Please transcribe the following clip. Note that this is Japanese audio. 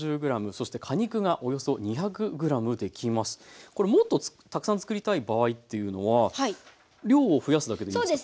今回はこれもっとたくさんつくりたい場合というのは量を増やすだけでいいですか？